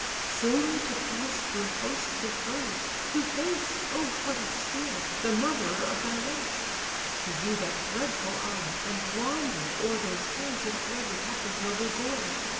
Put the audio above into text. Singly to pass through hosts of foes! to face (O heart of steel!) the murderer of thy race! To view that deathful eye, and wander o'er Those hands yet red with Hector's noble gore!